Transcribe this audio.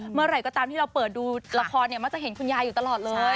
เมื่อไหร่ก็ตามที่เราเปิดดูละครเนี่ยมักจะเห็นคุณยายอยู่ตลอดเลย